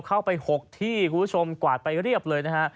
เข้าไป๖ที่คุณผู้ชมกวาดไปเรียบเลยนะฮะ